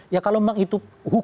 ya kalau memang itu